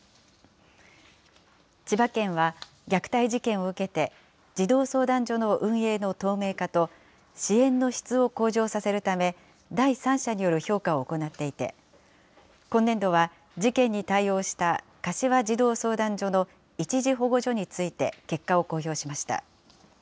千葉県は虐待事件を受けて、児童相談所の運営の透明化と、支援の質を向上させるため、第三者による評価を行っていて、今年度は事件に対応した柏児童相談所の一時保護所について結果を公表しました。